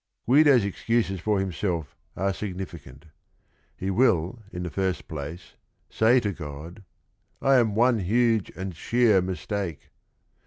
Guido's excuses for himself are significant. He will, in the first place, say to God, "I am one huge and sheer mistake!"